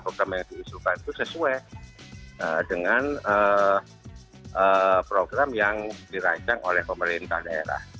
program yang diusulkan itu sesuai dengan program yang dirancang oleh pemerintah daerah